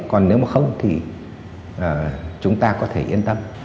còn nếu mà không thì chúng ta có thể yên tâm